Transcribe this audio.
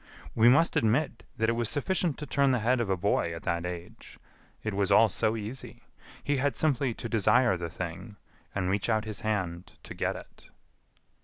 We must admit that it was sufficient to turn the head of a boy at that age. It was all so easy. He had simply to desire the thing, and reach out his hand to get it."